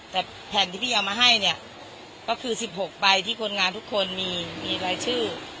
แต่แผ่นที่พี่เอามาให้เนี่ยก็คือ๑๖ใบที่คนงานทุกคนมีรายชื่อ